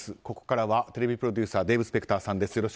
ここからはテレビプロデューサーデーブ・スペクターさんです。